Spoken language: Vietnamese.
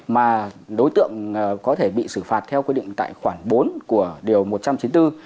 mà đối tượng có thể bị xử phạt theo quy định tại khoản bốn của điều một trăm chín mươi bốn